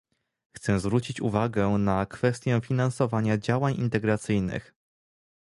chcę zwrócić uwagę na kwestię finansowania działań integracyjnych